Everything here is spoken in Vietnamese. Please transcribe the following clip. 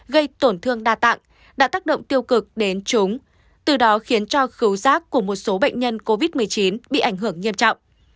gây tổn thương đa tạng đã tác động tiêu cực đến chúng từ đó khiến cho cứu giác của một số bệnh nhân covid một mươi chín bị ảnh hưởng nghiêm trọng